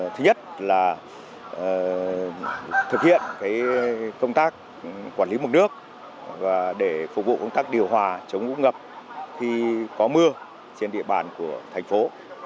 thứ nhất là thực hiện công tác quản lý mục nước để phục vụ công tác điều hòa chống ngũ ngập khi có mưa trên địa bàn của thành phố